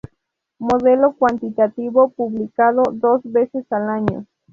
Modelo cuantitativo, publicado dos veces al año.